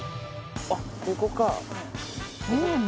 あっここか。